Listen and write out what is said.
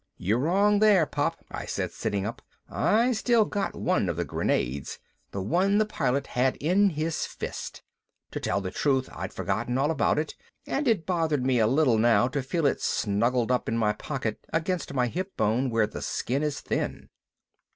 "You're wrong there, Pop," I said, sitting up. "I still got one of the grenades the one the pilot had in his fist." To tell the truth I'd forgotten all about it and it bothered me a little now to feel it snugged up in my pocket against my hip bone where the skin is thin.